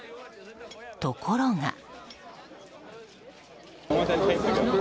ところが。